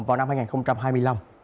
vào năm hai nghìn hai mươi ba